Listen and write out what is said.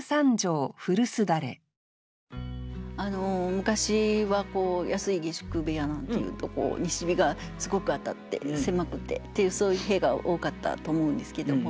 昔は安い下宿部屋なんていうと西日がすごく当たって狭くてっていうそういう部屋が多かったと思うんですけども。